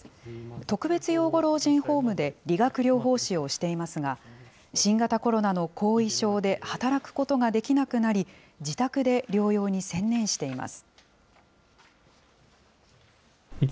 特別養護老人ホームで理学療法士をしていますが、新型コロナの後遺症で働くことができなくなり、自宅で療養に専念しています。